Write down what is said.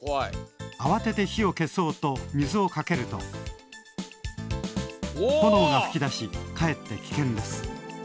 あわてて火を消そうと水をかけると炎がふき出しかえって危険です。